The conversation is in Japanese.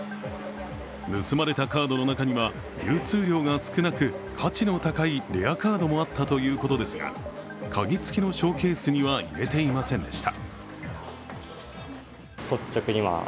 盗まれたカードの中には、流通量が少なく価値の高いレアカードもあったということですが、鍵付きのショーケースには入れていませんでした。